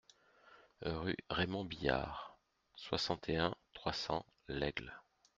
Rue Raymond Billard, soixante et un, trois cents L'Aigle